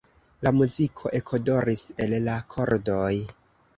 La muziko ekodoris el la kordoj.